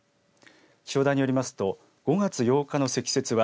気象台によりますと５月８日の積雪は